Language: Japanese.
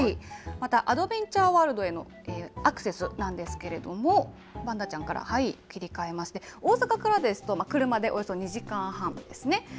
また、アドベンチャーワールドへのアクセスなんですけれども、パンダちゃんから切り替えまして、大阪からですと、車でおよそ２時間半ですね。